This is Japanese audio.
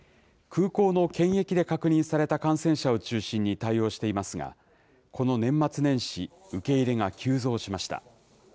空港の検疫で確認された感染者を中心に対応していますが、この年末年始、受け入れが急増しました。